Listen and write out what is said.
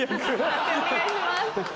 判定お願いします。